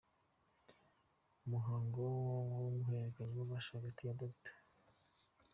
Mu muhango w’ihererekanyabubasha hagati ya Dr.